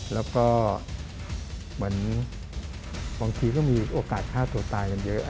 แล้วก็เหมือนบางทีก็มีโอกาสฆ่าตัวตายกันเยอะ